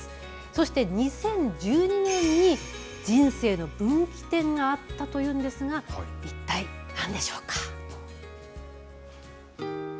そして２０１２年に人生の分岐点があったというんですが、一体なんでしょうか。